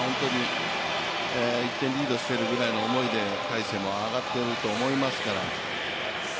１点リードしてるくらいの思いで大勢も上がってると思いますから。